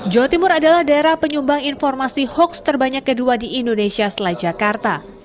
jawa timur adalah daerah penyumbang informasi hoax terbanyak kedua di indonesia setelah jakarta